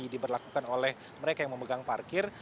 diberlakukan oleh mereka yang memegang parkir